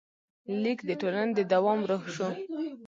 لیک د ټولنې د دوام روح شو.